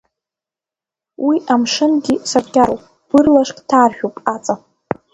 Уи амшынгьы саркьароуп, бырлашк ҭаршәуп аҵа.